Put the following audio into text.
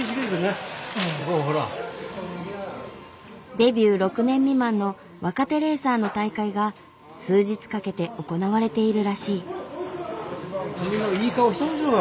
デビュー６年未満の若手レーサーの大会が数日かけて行われているらしい。